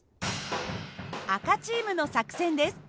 赤チームの作戦です。